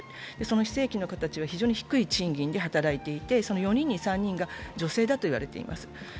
非正規の方たちは非常に低い賃金で働いていて４人に３人が女性だといわれています。